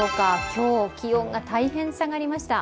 今日、気温が大変下がりました。